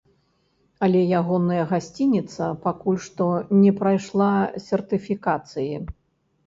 Але ягоная гасцініца пакуль што не прайшла сертыфікацыі.